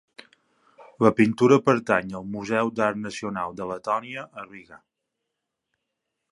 La pintura pertany al Museu d'Art Nacional de Letònia a Riga.